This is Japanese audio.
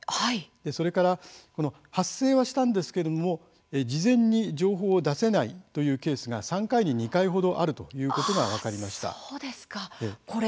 それから発生はしたんですけれども事前に情報を出せないというケースが３回に２回ほどあるということが分かりました。